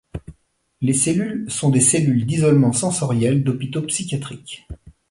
Les cellules sont des cellules d'isolement sensoriel, d'hôpitaux psychiatriques.